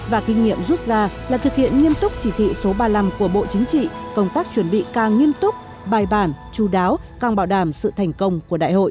và kinh nghiệm rút ra là thực hiện nghiêm túc chỉ thị số ba mươi năm của bộ chính trị công tác chuẩn bị càng nghiêm túc bài bản chú đáo càng bảo đảm sự thành công của đại hội